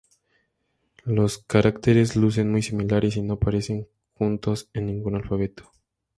Los caracteres lucen muy similares y no aparecen juntos en ningún alfabeto.